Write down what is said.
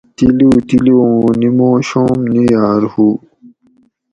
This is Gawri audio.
تِلو تِلو اُوں نیموشوم نیاۤر ہُو